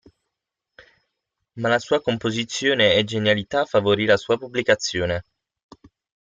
Ma la sua composizione e genialità favorì la sua pubblicazione.